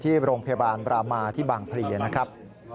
ที่โรงพยาบาลบรามาที่บางเพลียนะครับ